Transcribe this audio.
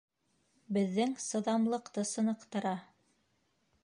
Беҙҙең сыҙамлыҡты сыныҡтыра.